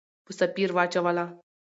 په سفیر واچوله.